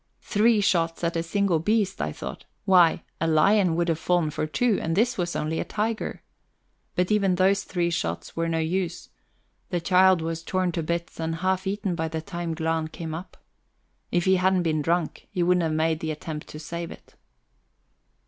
Three shots at a single beast, I thought; why, a lion would have fallen for two, and this was only a tiger! But even those three shots were no use: the child was torn to bits and half eaten by the time Glahn come up. If he hadn't been drunk he wouldn't have made the attempt to save it.